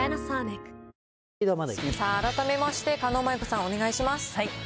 改めまして、狩野舞子さん、お願いします。